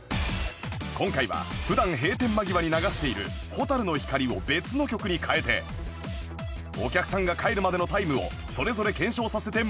今回は普段閉店間際に流している『蛍の光』を別の曲に変えてお客さんが帰るまでのタイムをそれぞれ検証させてもらうのだが